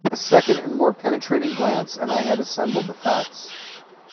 A second and more penetrating glance and I had assembled the facts.